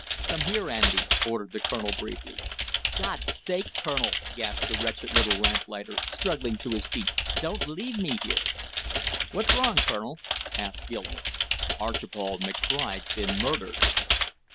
"Come here, Andy!" ordered the colonel briefly. "God's sake, Colonel!" gasped the wretched little lamplighter, struggling to his feet, "don't leave me here " "What's wrong, Colonel?" asked Gilmore. "Archibald McBride's been murdered!"